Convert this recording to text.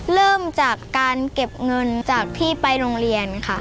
เริ่มจากการเก็บเงินจากพี่ไปโรงเรียนค่ะ